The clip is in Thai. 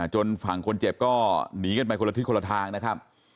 จนฝั่งคนเจ็บก็หนีกันไปคนละทิศคนละทางนะครับ